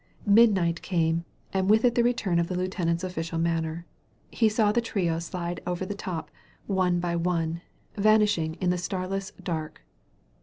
Midnight came, and with it the return of the lieutenant's official manner. He saw the trio slide over the top, one by one, vanishing in the starless dark.